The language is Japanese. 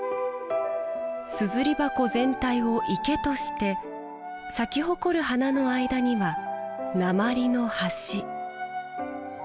硯箱全体を池として咲き誇る花の間には鉛の橋。